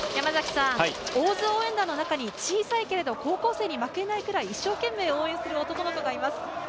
応援団の中に小さいけれど高校生に負けないくらい、一生懸命応援する男の子がいます。